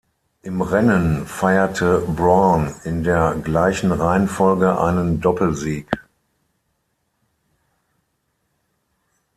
Im Rennen feierte Brawn in der gleichen Reihenfolge einen Doppelsieg.